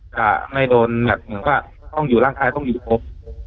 จะไม่โดนแบบเหมือนว่าต้องอยู่ร่างกายต้องอยู่ครบ